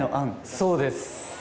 そうです。